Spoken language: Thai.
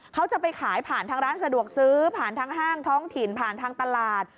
เขาจะไปขายผ่านทางร้านสะดวกซื้อผ่านทางห้างท้องถิ่นผ่านทางตลาด